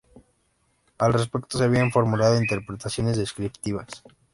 Al respecto se habían formulado interpretaciones descriptivas.